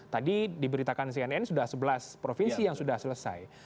tadi diberitakan cnn sudah sebelas provinsi yang sudah selesai